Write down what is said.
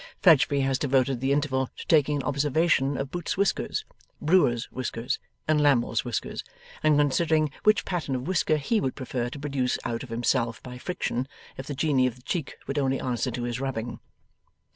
Fledgeby has devoted the interval to taking an observation of Boots's whiskers, Brewer's whiskers, and Lammle's whiskers, and considering which pattern of whisker he would prefer to produce out of himself by friction, if the Genie of the cheek would only answer to his rubbing.